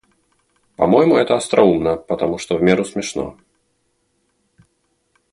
По-моему, это остроумно, потому что в меру смешно.